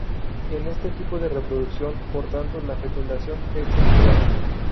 En este tipo de reproducción, por tanto, la fecundación es externa.